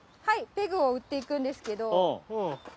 はいペグを打っていくんですけど。